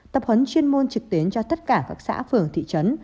tập huấn chuyên môn trực tuyến cho tất cả các xã phường thị trấn